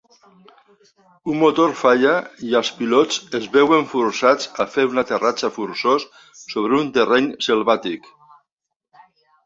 Un motor falla i els pilots es veuen forçats a fer un aterratge forçós sobre un terreny selvàtic.